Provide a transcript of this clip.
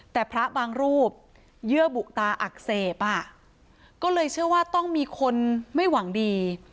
แต่พระบางรูปเยื่อบุตาอักเสบอ่ะก็เลยเชื่อว่าต้องมีคนไม่หวังดี